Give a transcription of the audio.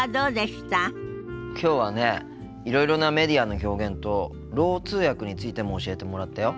きょうはねいろいろなメディアの表現とろう通訳についても教えてもらったよ。